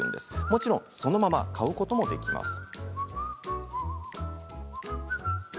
もちろんそのまま買うこともできます。